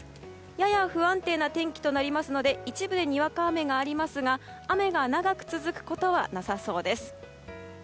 やや不安定な天気となりますので一部で、にわか雨がありますが雨が長く続くことはなさそうです。